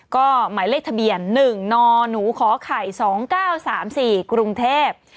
ก็หมายเลขทะเบียน๑นหนูขอไข่๒๙๓๔กรุงเทพ